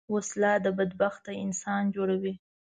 وسله بدبخته انسان جوړوي